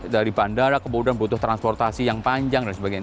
dari bandara kemudian butuh transportasi yang panjang dan sebagainya